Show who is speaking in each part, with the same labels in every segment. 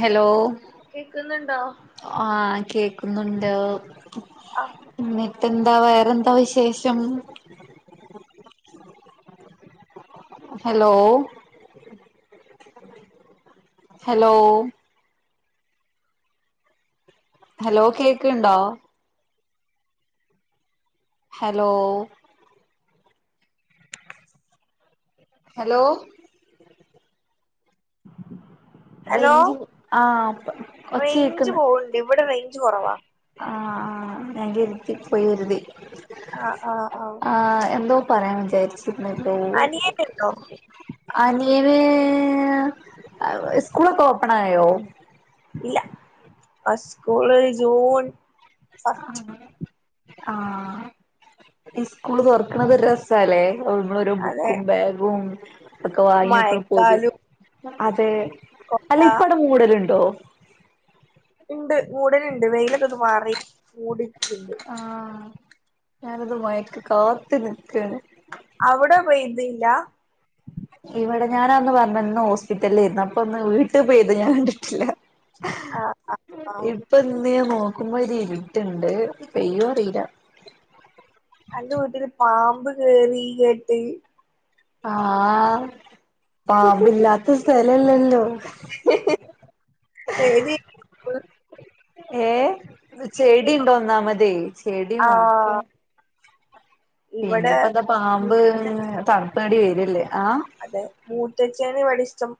Speaker 1: Hello.
Speaker 2: കേക്കുന്നുണ്ടോ
Speaker 1: ആഹ് കേക്കുന്നുണ്ടോ?
Speaker 2: ആഹ്
Speaker 1: എന്നിട്ട ന്താ വേറെന്താ വിശേഷം? ഹലോ ഹലോ ഹലോ കേക്കിൺ ണ്ടോ ഹലോ ഹലോ
Speaker 2: ഹലോ
Speaker 1: റേഞ്ചിൽ ആ പ്പ
Speaker 2: റേഞ്ച്
Speaker 1: ഒച്ചകേക്ക്ന്ന്
Speaker 2: പോവ്ണ്ട് ഇവിടെ റേഞ്ച് കൊറവാ
Speaker 1: ആഹ് ആഹ് ഞാൻ കരുതി പോയിരുതി
Speaker 2: ആ ആ
Speaker 1: ആ എന്തോ പറയാൻ വിചാരിച്ചിരുന്നല്ലോ
Speaker 2: അനിയനുണ്ടോ
Speaker 1: അനിയന് അ സ്കൂളൊക്കെ ഓപ്പൺ ആയോ
Speaker 2: ഇല്ല അ സ്കൂള് ജൂൺ ഫസ്റ്റ്
Speaker 1: ആഹ് ആഹ് ഇസ്കൂള് തൊറക്കണത് ഒരു രസാല്ലേ [unintelligible] മ്മളൊരു
Speaker 2: അതെ
Speaker 1: ബുക്കും ബാഗും ഒക്കെ വാങ്ങി വെക്ക്‌ണ് പോതി
Speaker 2: മഴക്കാലും
Speaker 1: അതെ
Speaker 2: കൊട
Speaker 1: അല്ല ഇപ്പവ്ടെ മൂടലുണ്ടോ
Speaker 2: ഇണ്ട് മൂടലിണ്ട് വെയിലൊക്കെ ഒന്ന് മാറി മൂടിട്ടിണ്ട്
Speaker 1: ആഹ് ഞാനത് മയക്ക് കാത്ത് നിക്കേണ്
Speaker 2: അവിടെ പെയിതില്ല
Speaker 1: ഇവിടെ ഞാനന്ന് പറഞ്ഞന്ന് ഹോസ്പിറ്റലേര്ന്ന് അപ്പൊ ഒന്ന് വീട്ടിൽ പെയ്ത് ഞാൻ കണ്ടിട്ടില്ല
Speaker 2: ആ ആ
Speaker 1: ഇപ്പൊ ഇന്ന് നോക്കുമ്പോ ഒരിരുട്ട്ണ്ട് പെയ്യോ അറിയില്ല
Speaker 2: അന്റെ വീട്ടില് പാമ്പ് കേറി കേട്ട്
Speaker 1: ആഹ് പാമ്പില്ലാത്ത സ്ഥലല്ലല്ലോ
Speaker 2: ഹി ഹി ഏതി
Speaker 1: ഏഹ് ചെടിണ്ടോന്നാമതെ ചെടി
Speaker 2: ആ
Speaker 1: നോക്ക്
Speaker 2: ഇവിടെ
Speaker 1: പിന്നിപ്പെന്താ പാമ്പ്
Speaker 2: മൂത്തച്ഛൻ,
Speaker 1: തണുപ്പേടിര്വേല്ലേ ആഹ്
Speaker 2: അതെ മൂത്തച്ചേണ് ഇവിടെ ഇഷ്ടം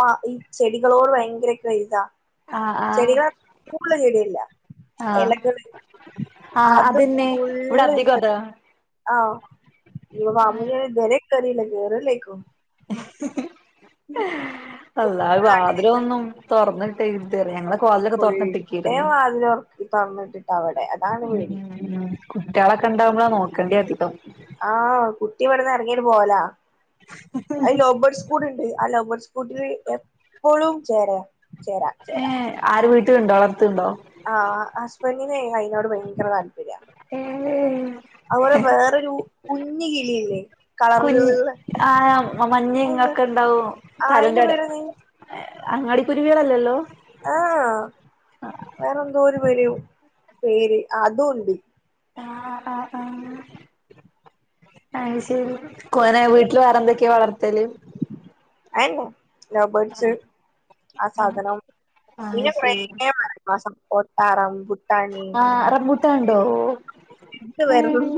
Speaker 2: പാ ഈ ചെടികളോട് ഭയങ്കര [unintelligible]
Speaker 1: ആഹ് ആഹ്
Speaker 2: ചെടികള് പൂവുള്ള ചെടിയല്ല എലകൾ
Speaker 1: ആ അതന്നെ ഇവിടെ
Speaker 2: ഫുള്ള്ണ്ട്
Speaker 1: അധികതാ
Speaker 2: ആഹ് [unintelligible] പാമ്പ് [unintelligible] ഇതുവരെ കേറില്ല കേറില്ലേക്കും
Speaker 1: അള്ളാ വാതിലോന്നും തൊറന്ന് ഇ [unintelligible] ഞങ്ങള് ഹോളിലക്കെ
Speaker 2: ഫുൾടൈം
Speaker 1: തുറന്നിട്ടിക്കെരുന്നു
Speaker 2: വാതില് തൊറക്ക് തൊറന്നിട്ടിട്ടാ അവിടെ അതാണ് പേടി
Speaker 1: ഉം കുട്ട്യാളക്കെ ണ്ടാവുമ്പോളാ നോക്കേണ്ട്യധികം
Speaker 2: ആഹ് കുട്ടി ഇവിടെന്ന് ഇറങ്ങിട്ട് പോകലാ അത് ലോബേർഡ്സ് കൂട്ണ്ട് ആ ലൗബേർഡ്സ് കൂട്ടിൽ എപ്പോഴും ചേറാ
Speaker 1: ഏഹ് ആര് വീട്ടിലുണ്ടോ വളർത്ത്ണ്ടോ
Speaker 2: ആഹ് ഹസ്ബൻഡിനെ അയ്നോട് ഭയങ്കര താല്പര്യാ
Speaker 1: ഏഹ്
Speaker 2: അതുപോലെ വേറൊരു കുഞ്ഞി കിളില്ലേ കളറ് [unintelligible]
Speaker 1: ആ മഞ്ഞ ഇങ്ങൊക്കെ ഇണ്ടാവും
Speaker 2: അയിന്റെ
Speaker 1: തലന്റെടെ
Speaker 2: പേരെന്തേനി
Speaker 1: ഏ അങ്ങാടിക്കുരുവികളല്ലല്ലോ
Speaker 2: ആഹ വേറെ എന്തോ ഒരു [unintelligible] പേര് അതുണ്ട്
Speaker 1: ആഹ് ആഹ് ആ അയ്ശെരി [unintelligible] വീട്ടില് വേറെ എന്തൊക്കെയ വളർത്തല്
Speaker 2: അയന്നെ ലൗബേർഡ്സ് ആ സാധനം
Speaker 1: അത്
Speaker 2: പിന്നെ കുറേ [unintelligible]
Speaker 1: ശരി
Speaker 2: [unintelligible] സപ്പോട്ട റംബൂട്ട്
Speaker 1: ആഹ് റംബുട്ടാൻ ഇൻണ്ടോ
Speaker 2: ഇത്
Speaker 1: ഏഹ്
Speaker 2: വരുന്നത്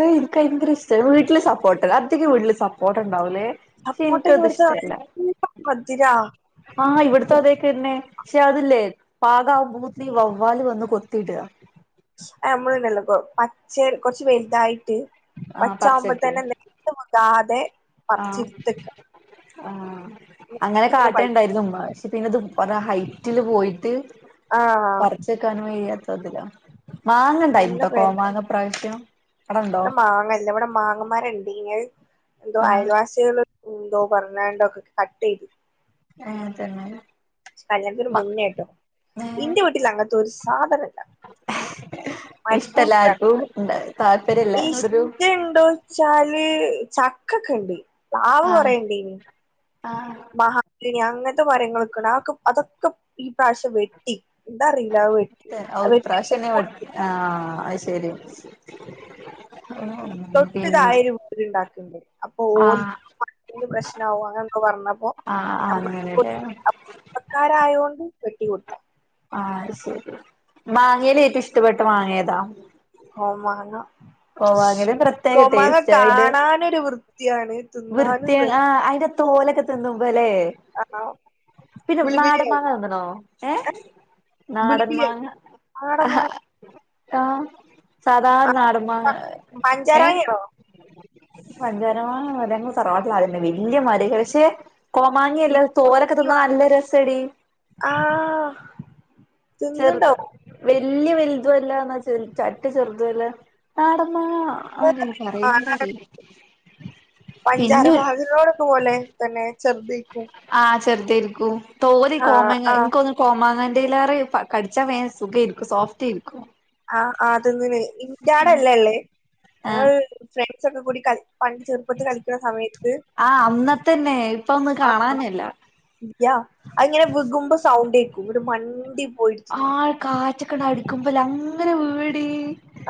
Speaker 1: ഏഹ് എനിക്ക് ഭയങ്കര ഇഷ്ട വീട്ടില് സപ്പോർട്ട് അധിക വീട്ടില് സപ്പോർട്ട്ണ്ടാവൂലേ
Speaker 2: സപ്പോട്ട ഇവിടുത്തെ നല്ല മധുരാ
Speaker 1: ആഹ് ഇവിടത്ത അതേക്കന്നെ പക്ഷെ അതില്ലേ പാകാകുമ്പത്തിന് വവ്വാല് വന്ന് കൊത്തിയിടുക
Speaker 2: ആ നമ്മള്ടള്ളപ്പോ ഉള്ളപ്പോ. പച്ചയിൽ കൊറച്ച് വല്തായിട്ട്
Speaker 1: ആ
Speaker 2: പച്ച
Speaker 1: പറിച്ചൊക്കെ
Speaker 2: ആവുമ്പേത്തന്നെ എന്ത [unintelligible]
Speaker 1: ആഹ് ആഹ് അങ്ങനെ
Speaker 2: ഇങ്ങനെ
Speaker 1: കാട്ടെൽ
Speaker 2: പഴു
Speaker 1: ഉണ്ടായിരുന്നു ഉമ്മാ പിന്നെ ഇതും കുറെ ഹൈറ്റില് പോയിട്ട്
Speaker 2: ആഹ്
Speaker 1: പറച്ച് എട്ക്കാനും വെയ്യാത്തതിലാ മാങ്ങ ഇണ്ടായിനി
Speaker 2: നല്ല
Speaker 1: ട്ടൊ കോമാങ്ങ ഇപ്രാവ്ശ്യം
Speaker 2: ഇബടെ മാങ്ങ ഇല്ല ഇബടെ മാങ്ങമാരം ഇണ്ടെയ്നി അഹ് എന്തോ
Speaker 1: ആഹ്
Speaker 2: അയൽവാസെൾ എന്തോ പർണാണ്ട് ഒക്കെ കട്ട് ചെയ്തു.
Speaker 1: ഏഹ് തെന്നെ?
Speaker 2: കല്യാണ്ത്തിന് മുന്നെട്ടോ.
Speaker 1: ഏഹ്
Speaker 2: ഇന്റെ വീട്ടിൽ അങ്ങത്തെ ഒര് സാധനം ഇല്ല
Speaker 1: ഇഷ്ടല്ല ആർക്കും
Speaker 2: [unintelligible]
Speaker 1: താല്പര്യല്ല എന്നോടൊരു
Speaker 2: ഇഷ്ടം ഇണ്ടോ ച്ചാല് ചക്ക ഒക്കെ ഇണ്ട് പാവ്ല്
Speaker 1: ആഹ്
Speaker 2: കൊറെ ഇണ്ടെയ്നി
Speaker 1: ആഹ്
Speaker 2: മഹാഗണി അങ്ങൻത്തെ മരങ്ങളൊക്കെ ഇണ്ട്. അയൊക്കെ അതൊക്കെ ഇപ്രാവശ്യം വെട്ടി. എന്താ അറീലാ അഹ് വെ
Speaker 1: ഔ ഇപ്രാവശ്യം എന്നെം വെട് ആഹ് അഹ് ശരി.
Speaker 2: തൊട്ട് താഴെ
Speaker 1: പിന്നെ
Speaker 2: അയിന്റെ മുമ്പ്ൽ ഇണ്ടാക്ക്ണ്ട് അപ്പ ഓൽക്ക്
Speaker 1: ആഹ്
Speaker 2: [unintelligible] പ്രശ്നവൊ അങ്ങനെ എന്തോ പറഞ്ഞപ്പോ നമ്മളെക്ക് [unintelligible]
Speaker 1: ഏഹ്
Speaker 2: കുടുംബക്കാരായോണ്ട് വെട്ടിക്കൊട്ത്താ.
Speaker 1: ആഹ് അഹ് ശരി മാങ്ങെൽ ഏറ്റവും ഇഷ്ടപ്പെട്ട മാങ്ങ ഏതാ?
Speaker 2: കോമാങ്ങാ.
Speaker 1: കോവാങ്ങേല് പ്രത്യേക
Speaker 2: കോമാങ്ങ
Speaker 1: ടേസ്റ്റ് അതിന്റെ
Speaker 2: കാണാനൊരു വൃത്തിയാണ്
Speaker 1: വൃത്തി
Speaker 2: തിന്നാനും രസ
Speaker 1: ആഹ് അയിന്റെ തോൽ ഒക്കെ തിന്നുമ്പം ലെ?
Speaker 2: രസാണ്
Speaker 1: പിന്നെ
Speaker 2: ബിളിബിളിയായി
Speaker 1: നാടൻമാങ്ങാ തിന്ന്ണോ? ഏഹ് നാടൻ
Speaker 2: ബിളിബിളിയായി
Speaker 1: മാങ്ങാ
Speaker 2: ആട മാ
Speaker 1: ആഹാ ആഹ് സാധാ നാടൻ മാങ്ങ
Speaker 2: പഞ്ചാര മാങ്ങ ആണോ?
Speaker 1: പഞ്ചാരമാങ്ങാ മരം ഞങ്ങളെ തറവാട്ടിൽ ആദ്യം ഇണ്ടായിനി വെല്ല്യ മരം എയ്ക്കാരം പക്ഷേ കോമാങ്ങ അല്ല തോലൊക്കെ തിന്നാൻ നല്ല രസാ എടി.
Speaker 2: ആഹ്
Speaker 1: ചെറുത് വെല്ല്യ വെൽതും അല്ല ഇന്നാ ചെറ് ചറ്റ ചെറ്തും അല്ല നാടൻ മാങ്ങാ
Speaker 2: [unintelligible] പഞ്ചാര
Speaker 1: പിന്നെ
Speaker 2: മാങ്ങകളെ ഒക്കെ പോലെ തെന്നെ ചെർതെയ്ക്കും
Speaker 1: ആഹ് ചെറ്തെയ്രിക്കും. തോല് കോമാങ്ങ
Speaker 2: ആ
Speaker 1: ഇൻക്ക് തോന്ന് കോമാങ്ങന്റെലെയ്റെ കടിച്ചാ വേം സുഖെയ്ര്ക്കും സോഫ്റ്റ് എയ്ര്ക്കും
Speaker 2: ആഹ് ആഹ് തിന്ന്ണ് ഇന്റാടെ അല്ല ഇള്ളെയ്
Speaker 1: ആഹ്
Speaker 2: ഞങ്ങൾ ഫ്രണ്ട്സ് ഒക്കെ കൂടി കളി പണ്ട് ചെറുപ്പെത്ത് കളിക്ക്ണ സമയ
Speaker 1: ആഹ് അന്നത്തെ എന്നെ ഇപ്പം ഒന്ന് കാണാന്നെ ഇല്ലാ
Speaker 2: യാ അഹ് ഇങ്ങനെ വിഗുംമ്പം സൗണ്ടെക്കും ഇന്നെട്ട് മണ്ടി പോയിട്ട് തിന്നും
Speaker 1: ആഹ് കാറ്റൊക്കെ അടിക്കുമ്പം ലെ അങ്ങനെ വീഴും എടി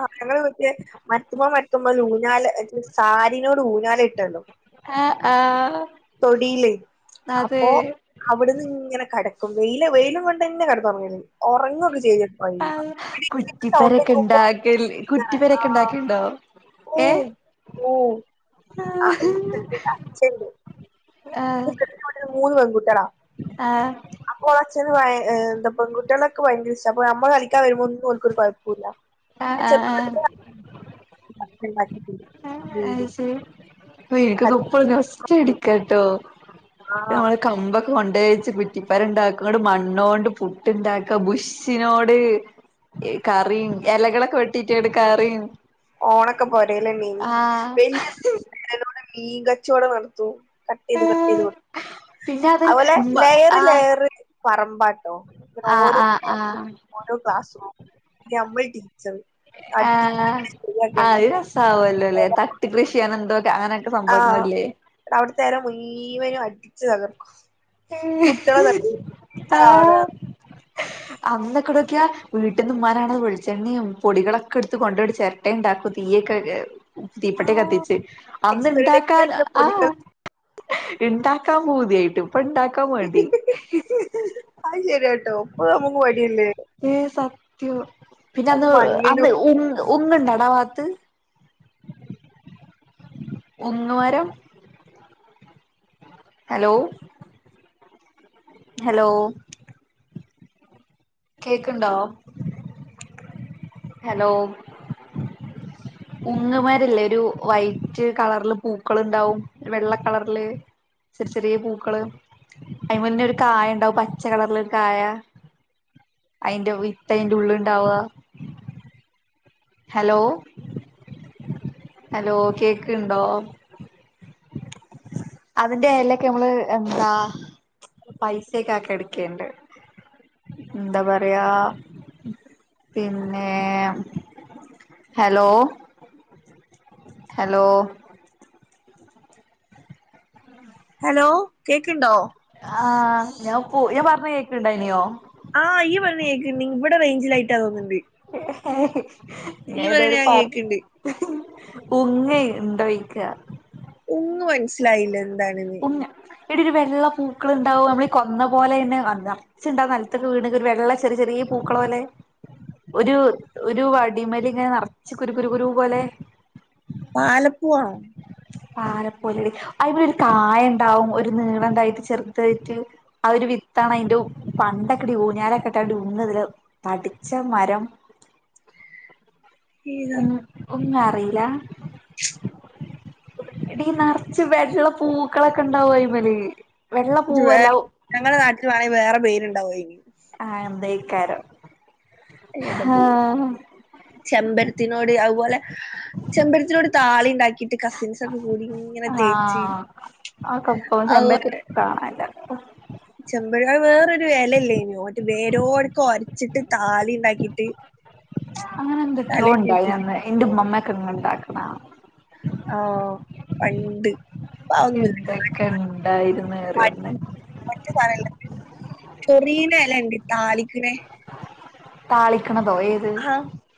Speaker 2: ആഹ് ഞങ്ങളെ വീട്ടൽ മര്ത്ത്മ്മെ മര്ത്ത്മ്മെൽ ഉഞ്ഞാൽ അത് സാരി നോട് ഉഞ്ഞാൽ കെട്ടോല്ലോ
Speaker 1: ആഹ് ആഹ്
Speaker 2: തൊടിയിൽ
Speaker 1: അതെ
Speaker 2: അപ്പൊ അവ്ട്ന്ന് ഇങ്ങനെ കടക്കും. വെയിൽ വെയിലും കൊണ്ട് എന്നെ കടന്ന് ഒറങ്ങെൽ. ഒറങ്ങൊക്കെ ചെയ്യും
Speaker 1: ആഹ് കുറ്റിപ്പെരൊക്കെ ഇണ്ടാക്കല്
Speaker 2: [unintelligible]
Speaker 1: കുറ്റിപ്പെരൊക്കെ
Speaker 2: ആഹ്
Speaker 1: ഇണ്ടാക്കല്ണ്ടോ
Speaker 2: ഓഹ്
Speaker 1: ഏഹ്
Speaker 2: ഓഹ് [unintelligible]
Speaker 1: ആഹ്
Speaker 2: [unintelligible] മൂന്ന് പെങ്കുട്ടിയാളാ.
Speaker 1: ആഹ്
Speaker 2: അപ്പ ഓളെ അച്ഛെന് ഭയ ഏഹ് എന്താ പെങ്കുട്ടിയാളൊക്കെ ഭയങ്കര ഇഷ്ടാ. അപ്പ ഞമ്മെൾ കളിക്കാൻ വെരുമ്പം ഒന്നും ഓൽക്കൊരു കൊഴപ്പും ഇല്ല.
Speaker 1: ആഹ് ആഹ്
Speaker 2: [unintelligible] ഉം
Speaker 1: [unintelligible] നൊസ്റ്റു
Speaker 2: തൊട്ടേ
Speaker 1: ഇട്ക്ക ട്ടോ
Speaker 2: ആ
Speaker 1: ഇന്നെട്ട് നമ്മെൾ കമ്പ് കൊണ്ടോയ് വെച്ച് കുറ്റിപ്പെര ഇണ്ടാക്കും ഇന്നെട്ട് മണ്ണോണ്ട് പുട്ട് ഇണ്ടാക്കാ ബുഷിനോട് കറിം എലകളൊക്കെ വെട്ടിട്ടാണ്ട് കറിം
Speaker 2: ഓണൊക്കെ പോരേലെന്നേനി
Speaker 1: ആഹ്
Speaker 2: [unintelligible] ടെ മീൻ കച്ചോടം നടത്തൂ കട്ടെയ്ത് കട്ടെയ്ത്
Speaker 1: ഏഹ്
Speaker 2: കൊട്
Speaker 1: പിന്നെ അതിൽ
Speaker 2: അത്പോലെ
Speaker 1: ഉമ്മ
Speaker 2: ലെയെറ്
Speaker 1: ആഹ്
Speaker 2: ലെയെറ് പറമ്പാട്ടോ ങ്ങട്ടാേരോ
Speaker 1: ആഹ് ആഹ്
Speaker 2: ലെയറ്ലും
Speaker 1: ആഹ്
Speaker 2: ഓരോ ക്ലാസ്സ് റൂം ന്നെ ഞമ്മളീ ടീ
Speaker 1: ആഹ്
Speaker 2: ശരിയാക്കന്നെ
Speaker 1: അത് രസാവല്ലാെലേ തട്ട് കൃഷിയാണ് ണ്ടോക്ക ആന
Speaker 2: ആഹ് അവ്ട്ത്തെര മുയ്‌വെനും അടിച്ച് തകർക്കും കുട്ട്യോളെ ത [unintelligible] ടീച്ചറാ പറ്യാന്ന്
Speaker 1: അന്നൊക്കെടാേക്ക്യാ വീട്ട്ന്ന് ഇമ്മാനാണാതെ വെൾച്ചെണ്ണിയും പൊടികളൊക്കെട്ത്ത് കൊണ്ട്‌രൊര് ചെരെ ട്ടേണ്ടാക്കും തീയൊക്കെ തീപ്പെട്ടി
Speaker 2: ആഹ്
Speaker 1: കത്തിച്ച് അന്ന് ണ്ടാക്കാൻ
Speaker 2: എക്സ്പെരിമെന്റ്
Speaker 1: ആഹ്
Speaker 2: പൊടികൾ
Speaker 1: ഇണ്ടാക്കാം പൂത്യായിട്ട് ഇപ്പം ഇണ്ടാക്കാം മടി
Speaker 2: അത്‌ ശെര്യാട്ടോ ഇപ്പൊ നമുക്ക് മട്യെല്ലേ
Speaker 1: ഏഹ് സത്യം പിന്നെ അന്ന്
Speaker 2: മണ്ണിലും
Speaker 1: അന്ന് ഉങ്ങ് ഉങ്ങ്ണ്ടടാ ഭാത്ത് ഉങ്ങ് മരം ഹെലോ ഹെലോ കേക്ക്ൺണ്ടോ ഹെലോ ഉങ്ങ് മാല്ലേ ഒരു വൈറ്റ് കളർല് പൂക്കള്ണ്ടാവും ഒര് വെള്ള കളർല് ചെറ് ചെറ്യേ പൂക്കള് അയ്മന്നെ ഒര് കായണ്ടാവും പച്ച കളറില്ലാെര് കായാ അയ്ന്റെ വിത്തയ്ന്റെ ഉള്ള്ണ്ടാവ ഹെലോ ഹെലോ കേക്ക്ണ്ടോ അതിന്റെ ഏലെക്കെ അമ്മള് എന്താ പൈസെക്കെ ആക്കി എട്ക്കേണ്ട് ന്താ പറയാ പിന്നേ ഹെലോ ഹെലോ
Speaker 2: ഹെലോ കേക്ക്ണ്ടോ
Speaker 1: ആഹ് ഞാൻ പോ ഞാൻ പർഞ്ഞെ കേക്ക്ണ്ടായ്ന്യോ
Speaker 2: ആഹ് ഇയ്യ് പറീണേ കേക്ക്ണ്ട് ഇ ഇബ്ടെ റെയ്ഞ്ചില്ലായിട്ടാ തോന്ന്ണ്ട്
Speaker 1: ഞാ
Speaker 2: ഇയ്യ് പറയണ
Speaker 1: ഏതെയാലും
Speaker 2: ഞാൻ
Speaker 1: പർ
Speaker 2: കേക്ക്ണ്ട്
Speaker 1: ഉങ്ങേ ഇണ്ടോയ്ക്കാ
Speaker 2: ഉങ്ങ് മൻസ്സിലായില്ല എന്താണ്ന്ന്
Speaker 1: ഉങ്ങ് എടീ ഒരു വെള്ള പൂക്കള്ണ്ടാവും നമ്മളീ കൊന്ന പോലെയെന്നെ അതാ ജെന്താ നെൽത്ത്ക്ക് വീണ്ക് ഒര് വെള്ള ചെറി ചെറ്യെ പൂക്കളാേലെ ഒരു ഒരു വടിമല്ങ്ങെനെ നർച്ച് കുരു കുരു കുരൂ പോലെ
Speaker 2: പാലപ്പൂവാണോ
Speaker 1: പാലപ്പൂവല്ലെടി അയ്മലൊര് കായ ണ്ടാവും ഒരു നീളണ്ടായ്ട്ട് ചെർതയ്ട്ട് അതൊര് വിത്താണ് അയ്ന്റെ പണ്ടൊക്കെടി ഊഞ്ഞാലൊക്കെട്ടാണ്ട് ഉങ്ങ്തില് തടിച്ച മരം
Speaker 2: ഏതാ
Speaker 1: ഉം ഉങ്ങറീലാ എടീ നർച്ച് വെള്ള പൂക്കളൊക്കെണ്ടാവും അയ്മല്
Speaker 2: ജ് വേ ഞങ്ങളെ നാട്ടില് വാണെ വേറെ പേര്ണ്ടാവും അയ്ന്
Speaker 1: ആഹ് അതെയ്ക്കാരം
Speaker 2: ഏത് പൂ ചെമ്പര്ത്തിനോട് അത്പോലെ ചെമ്പര്ത്തിനോട് താളിണ്ടാക്കീട്ട് കസിൻസാെക്കെ കൂടിങ്ങ്
Speaker 1: ആഹ് അതൊക്കെക്കോ ചെമ്പര്ത്തി കാണല്ലവ്ടെ
Speaker 2: ചെമ്പഴക അത് വേറൊരു എലല്ലേന്യോ ത് വേരോട്ക്കാെര്ച്ച്ട്ട് താലിണ്ടാക്കിട്ട്
Speaker 1: അങ്ങെനെന്തൊക്ക്യോ ണ്ടായിനന്ന് എന്റെ ഉമ്മമ്മക്കെങ്ങ് ഇണ്ടാക്ക്ണ കാണാ
Speaker 2: ആഹ് പണ്ട് അതൊന്നുമില്ല
Speaker 1: എന്തൊക്കെണ്ടായ്ര്ന്ന് അറ്യോന്ന്
Speaker 2: മറ്റുസാനല്ല ചൊറീണെലെണ്ട് താളിക്ക്ണെ
Speaker 1: താളിക്കണതോ, ഏത്?
Speaker 2: ആ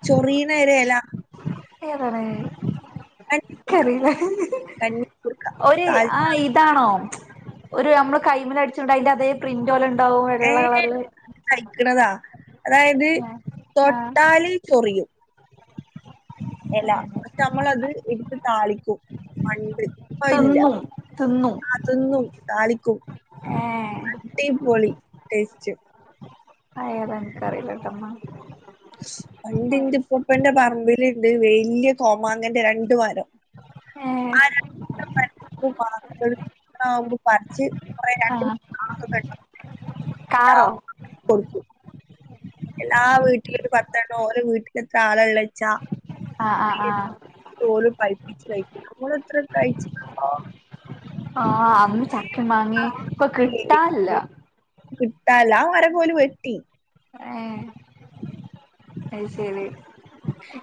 Speaker 2: ചൊറീന ഒരെല,
Speaker 1: ഏതാണ്?
Speaker 2: കഞ്ഞിക്കൂർക്ക
Speaker 1: ക്കറില്ല,
Speaker 2: കഞ്ഞിക്കൂർക്ക
Speaker 1: ഒര് ആ
Speaker 2: താളിക്ക
Speaker 1: ഇതാണോ? ഒരു നമ്മള് കൈമലടിച്ചിണ്ട അതിന്റെ അതേ പ്രിന്റ് പോലെണ്ടാവും വെള്ള കളറില്,
Speaker 2: കഴിക്കുന്നതാ അതായത്
Speaker 1: ആഹ്
Speaker 2: തൊട്ടാല് ചൊറിയും, എല പക്ഷ നമ്മളത് എടുത്ത് താളിക്കും പണ്ട്, പ്പഅയ്ല്ല.
Speaker 1: തിന്നും തിന്നും
Speaker 2: തിന്നും താളിക്കും,
Speaker 1: ഏഹ്
Speaker 2: അടിപൊളി ടെസ്റ്റ്‌,
Speaker 1: അയേതാ എനിക്കറില്ലട്ടോ ന്നാ,
Speaker 2: പണ്ട്, ന്റെപ്പ്പന്റെ പറമ്പിൽണ്ട് വലിയ കോമാങ്ങന്റെ രണ്ട് മരം,
Speaker 1: ഏ ഹ്,
Speaker 2: മാങ്ങകൾ ഇണ്ടാവുമ്പോ പറിച്ച് [unintelligible]
Speaker 1: ആഹ്
Speaker 2: കുറെ
Speaker 1: കാറോ
Speaker 2: [unintelligible] കൊടുക്കൂ [inaudible] എല്ലാ വീട്ടിലും ഒര് പത്തെണ്ണം ഓരോ വീട്ടില എത്ര ആളെള്ള വെച്ചാ,
Speaker 1: ആഹ് ആഹ് ആഹ്,
Speaker 2: ഓലും പഴിപ്പിച്ച് കഴിക്കും. ഓലെത്ര കഴിച്ചുക്കുന്നോ,
Speaker 1: ആഹ്, അന്ന് ചക്കേം മാങ്ങേ ഇപ്പൊ കിട്ടാൻല്ല,
Speaker 2: കിട്ടാൻല്ല, ആ മരം ഓല് വെട്ടി,
Speaker 1: ഏഹ്, അയ് ശെരി,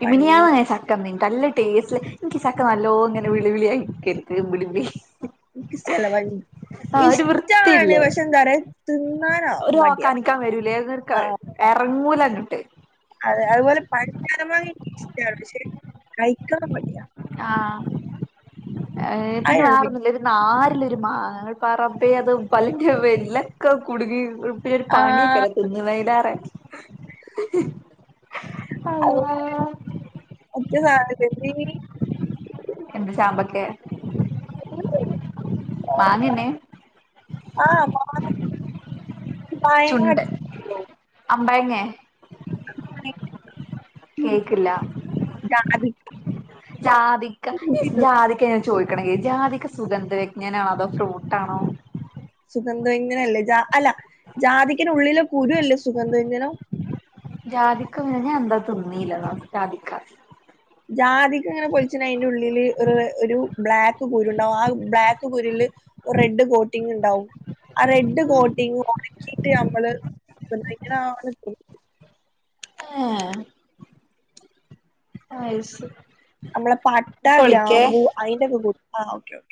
Speaker 2: പണ്ട്
Speaker 1: മിനിയാന്നെങ്ങാൻ ചക്ക ന്നീന് നല്ല ടേസ്റ്റ്. എനിക്ക് ചക്ക നല്ലോ ഇങ്ങനെ വിളുവിളി ആയി ക്കരുത് വിളിവിളി, മ്പി
Speaker 2: എനിക്ക് ഇഷ്ടല്ല പയ്,
Speaker 1: വൃത്തിയില്ല
Speaker 2: ഇഷ്ടാണ് പക്ഷെ എന്താ പറ തി
Speaker 1: ഒരു ഓകാനിക്കാൻ വരൂലേ ഇറങ്ങൂലങ്ങിട്ട്,
Speaker 2: അതെ, അതുപോലെ പഞ്ചാരമാങ്ങ ഇങ്കി ഇഷ്ടാണ്. പക്ഷെ കഴിക്കാൻ മടിയാ,
Speaker 1: ആഹ്, ഏ പിന്നെ
Speaker 2: അയിനുണ്ട്
Speaker 1: വേറൊന്നില്ലേ? നാ രിലൊരു മാങ്ങ. ന്റെ റമ്പേ അത്പല്ലിന്റെ വെര്ല്ലൊക്കെ കുടുങ്ങി, പിന്നെ ഒരു
Speaker 2: ആ
Speaker 1: പണിയക്കരം തിന്ന്ന്നയ്ലാറ, അല്ലാഹ്,
Speaker 2: മറ്റുസാനം ചേമ്മീ
Speaker 1: എന്ത് ചാമ്പക്കെ?
Speaker 2: ഉ
Speaker 1: മാങ്ങെന്നെ,
Speaker 2: ആഹ് മാങ്ങന്നെ,
Speaker 1: ചുണ്ടൻ, അമ്പഴങ്ങേ, കേക്കില്ല,
Speaker 2: ജാതിക്ക
Speaker 1: ജാതിക്ക. ഈ
Speaker 2: കൂട്ടിട്ട്
Speaker 1: ജാതിക്ക ഞാൻ ചോദിക്കണമെങ്ക ജാതിക്ക സുഗന്ധവ്യജ്ഞാനാണോ അതോ ഫ്രൂട്ടാണോ?
Speaker 2: സുഗന്ധവഞ്ജന അല്ലേ. അല്ല ജാതിക്കനുള്ളിലെ കുരു അല്ലേ സുഗന്ധവ്യഞ്ജനം,
Speaker 1: ജാധിക്ക ങ്ങിനാ എന്താ തിന്നീല്ല ജാധിക്കാ,
Speaker 2: ജാതിക്കങ്ങനെ പൊലിച്ച്ണതിന്റെ ഉള്ളില് ഒരു ഒരു ബ്ലാക്ക് കുരു ണ്ടാവും ആ ബ്ലാക്ക് കുരില്, ഒരു റെഡ് കോട്ട് ങ്ണ്ടാവും. ആ റെഡ് കോട്ടിങ് ഒണക്കിയിട്ട് അമ്മള് നന്നായിട്ട്..
Speaker 1: ഏഹ്, അയ് ശെരി,
Speaker 2: നമ്മളെ പട്ട, ഗ്രാമ്പു അയിന്റെക്കെ കൂടുത്തില് ആഹ് ഓക്കേ ഓക്കേ